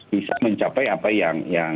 bisa mencapai apa yang